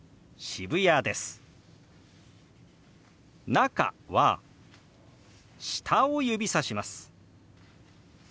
「中」は下を指さします。